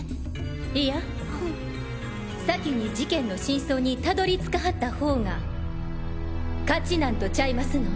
いや先に事件の真相にたどり着かはったほうが勝ちなんとちゃいますのん？